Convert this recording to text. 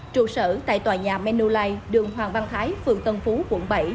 trụ sở tại tòa nhà manulife đường hoàng văn thái phường tân phú quận bảy